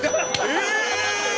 え⁉